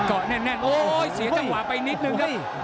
แน่นโอ้ยเสียจังหวะไปนิดนึงครับ